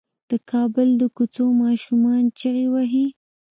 د کابل د کوڅو ماشومان چيغې وهي.